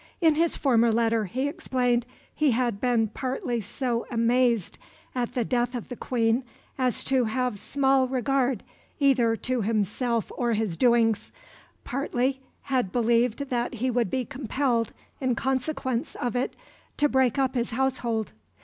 In his former letter, he explained, he had been partly so amazed at the death of the Queen as to have small regard either to himself or his doings, partly had believed that he would be compelled, in consequence of it, to break up his household.